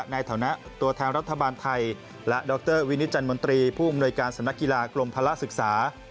ในฐานะตัวแทนรัฐบาลไทยและดรวินิจันมนตรีผู้อำนวยการสำนักกีฬากรมภาระศึกษา